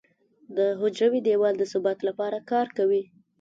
د حجروي دیوال د ثبات لپاره کار کوي.